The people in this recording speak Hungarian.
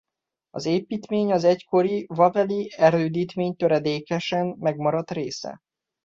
Az építmény az egykori Waweli erődítmény töredékesen megmaradt része.